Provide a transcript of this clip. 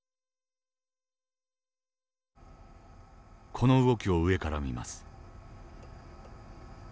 この動きを上から見ます。